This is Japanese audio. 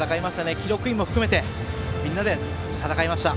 記録員も含めてみんなで戦いました。